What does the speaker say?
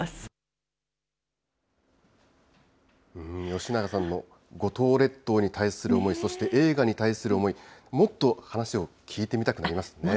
吉永さんの五島列島に対する思い、そして映画に対する思い、もっと話を聞いてみたくなりますね。